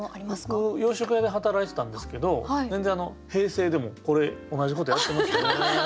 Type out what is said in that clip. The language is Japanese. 僕洋食屋で働いてたんですけど全然平成でもこれ同じことやってましたね。